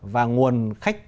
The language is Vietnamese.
và nguồn khách